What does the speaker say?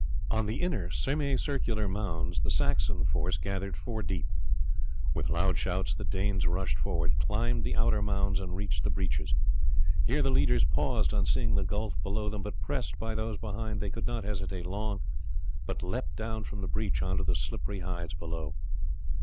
On the inner semicircular mounds the Saxon force gathered four deep. With loud shouts the Danes rushed forward, climbed the outer mounds, and reached the breaches. Here the leaders paused on seeing the gulf below them, but pressed by those behind they could not hesitate long, but leapt down from the breach on to the slippery hides below.